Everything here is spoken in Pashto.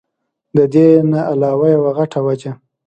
د دې نه علاوه يوه غټه وجه